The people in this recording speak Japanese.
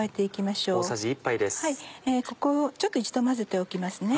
ちょっと一度混ぜておきますね。